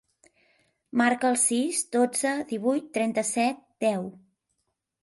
Marca el sis, dotze, divuit, trenta-set, deu.